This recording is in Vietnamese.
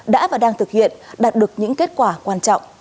đã và đang thực hiện đạt được những kết quả quan trọng